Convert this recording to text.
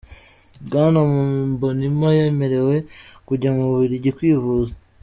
Bwana Mbonimpa yemerewe kujya mu Bubiligi kwivuza.